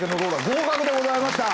合格でございました。